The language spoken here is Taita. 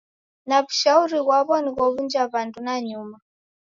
Na w'ushauri ghwaw'o ni ghow'unja w'andu nanyuma.